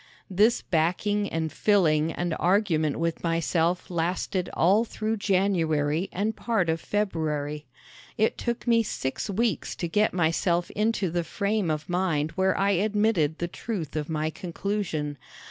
This backing and filling and argument with myself lasted all through January and part of February. It took me six weeks to get myself into the frame of mind where I admitted the truth of my conclusion.